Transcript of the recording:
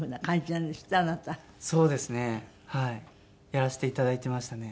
やらせていただいてましたね。